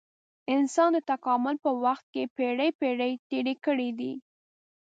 انسان د تکامل په وخت کې پېړۍ پېړۍ تېرې کړې دي.